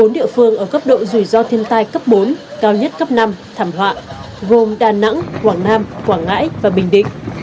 bốn địa phương ở cấp độ rủi ro thiên tai cấp bốn cao nhất cấp năm thảm họa gồm đà nẵng quảng nam quảng ngãi và bình định